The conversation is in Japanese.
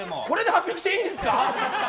これで発表していいんですか？